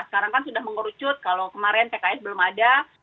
sekarang kan sudah mengerucut kalau kemarin pks belum ada